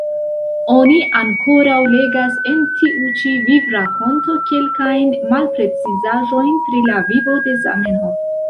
Oni ankoraŭ legas en tiu ĉi vivrakonto kelkajn malprecizaĵojn pri la vivo de Zamenhof.